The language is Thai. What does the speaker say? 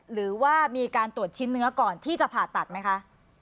หรือว่ามีการตรวจชิ้นเนื้อก่อนที่จะผ่าตัดไหมคะ